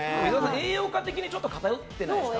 栄養価的に偏ってないですか？